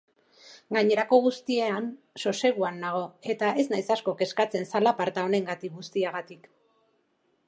Gainerako guztian soseguan nago eta ez naiz asko kezkatzen zalaparta honengatik guztiagatik.